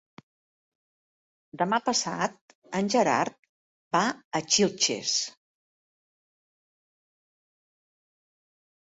Demà passat en Gerard va a Xilxes.